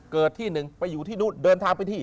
เกิดที่หนึ่งไปอยู่ที่นู้นเดินทางไปที่